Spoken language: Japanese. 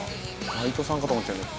バイトさんかと思ったよね。